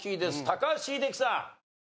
高橋英樹さん。